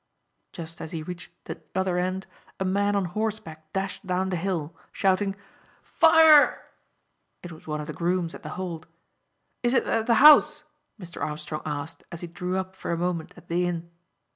Just as he reached the other end a man on horseback dashed down the hill, shouting "Fire!" It was one of the grooms at The Hold. "Is it at the house?" Mr. Armstrong asked, as he drew up for a moment at the inn.